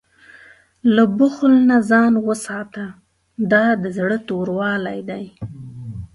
له بخل نه ځان وساته، دا د زړه توروالی دی.